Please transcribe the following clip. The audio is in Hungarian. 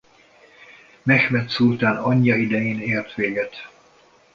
Mehmed szultán anyja idején ért véget.